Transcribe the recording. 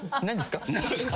何ですか？